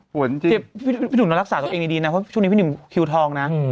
เจ็บพี่หนุ่มเรารักษาตัวเองดีนะเพราะช่วงนี้พี่หนุ่มคิวทองนะ